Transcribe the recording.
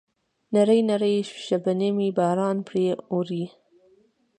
نری نری شبنمي باران پرې اوروي.